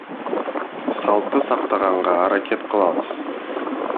Салтты сактаганга аракет кылабыз.